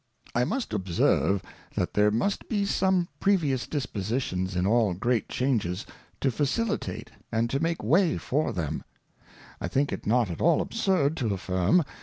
I must observe. That there must be some previous^Dispositions in all great Changes to faciUtate and to make way for them : I think it not at all absurd to affirm.